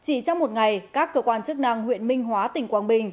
chỉ trong một ngày các cơ quan chức năng huyện minh hóa tỉnh quảng bình